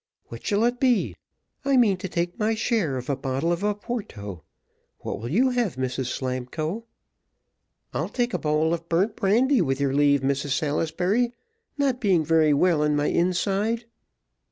What shall it be? I mean to take my share of a bottle of Oporto. What will you have, Mrs Slamkoe?" "I'll take a bowl of burnt brandy, with your leave, Mrs Salisbury, not being very well in my inside."